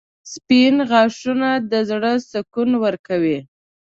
• سپین غاښونه د زړه سکون ورکوي.